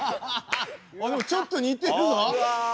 あでもちょっと似てるぞ！